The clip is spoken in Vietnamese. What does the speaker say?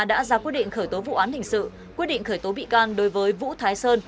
đã ra quyết định khởi tố vụ án hình sự quyết định khởi tố bị can đối với vũ thái sơn